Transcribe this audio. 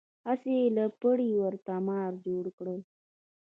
هسې یې له پړي ورته مار جوړ کړ.